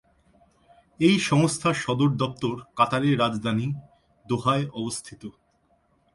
এই সংস্থার সদর দপ্তর কাতারের রাজধানী দোহায় অবস্থিত।